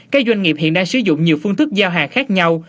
các doanh nghiệp hiện đang sử dụng nhiều phương thức giao hàng khác nhau